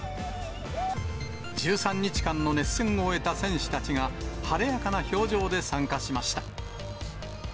１３日間の熱戦を終えた選手たちが、晴れやかな表情で参加しました。